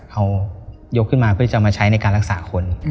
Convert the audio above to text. เขายกขึ้นมาเพื่อจะมาใช้ในการรักษาคน